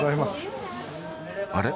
あれ？